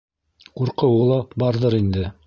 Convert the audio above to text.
Ҡурҡыуы ла барҙыр инде.